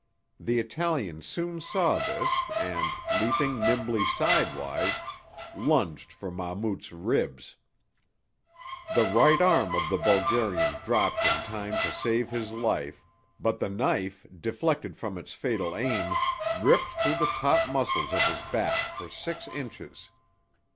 The Italian soon saw this and, leaping nimbly sidewise, lunged for Mahmout's ribs. The right arm of the Bulgarian dropped in time to save his life, but the knife, deflected from its fatal aim, ripped through the top muscles of his back for six inches.